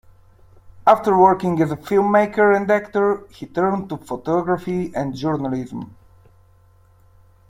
After working as a filmmaker and actor, he turned to photography and journalism.